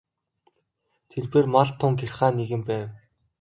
Тэрбээр малд тун гярхай нэгэн байв.